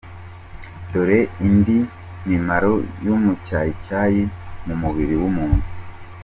Dore indi mimaro y’umucyayicyayi mu mubiri w’umuntu .